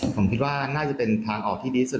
ผมคิดว่าน่าจะเป็นทางออกที่ดีสุด